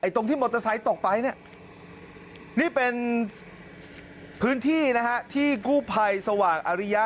ตรงที่มอเตอร์ไซต์ตกไปนี่นี่เป็นพื้นที่ที่กู้ภัยสวัสดิ์อริยา